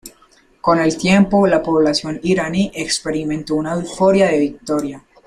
Con el tiempo la población iraní experimentó una euforia de victoria.